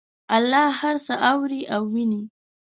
الله هر څه اوري او ویني